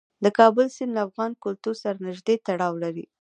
د کابل سیند له افغان کلتور سره نږدې تړاو لري.